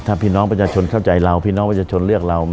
ถ้าพี่น้องประชาชนเข้าใจเราพี่น้องประชาชนเลือกเรา